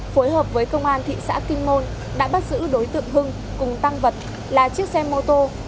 phối hợp với công an thị xã kinh môn đã bắt giữ đối tượng hưng cùng tăng vật là chiếc xe mô tô